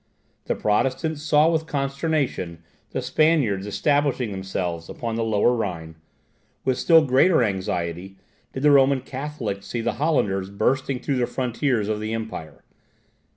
The Protestants saw with consternation the Spaniards establishing themselves upon the Lower Rhine; with still greater anxiety did the Roman Catholics see the Hollanders bursting through the frontiers of the empire.